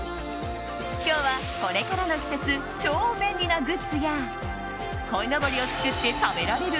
今日はこれからの季節超便利なグッズやこいのぼりを作って食べられる？